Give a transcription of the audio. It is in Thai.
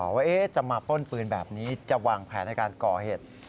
ว่าจะมาป้นปืนแบบนี้จะวางแผนในการก่อเหตุ